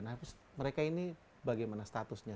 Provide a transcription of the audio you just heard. nah mereka ini bagaimana statusnya